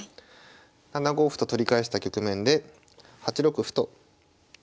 ７五歩と取り返した局面で８六歩と突いてきました。